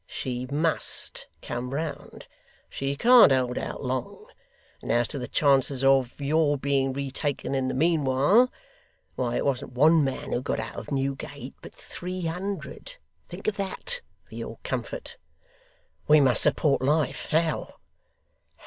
She MUST come round; she can't hold out long; and as to the chances of your being retaken in the meanwhile, why it wasn't one man who got out of Newgate, but three hundred. Think of that, for your comfort.' 'We must support life. How?